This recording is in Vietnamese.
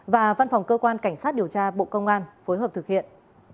và văn phòng cơ quan cảnh sát điều tra bộ công an phối hợp thực hiện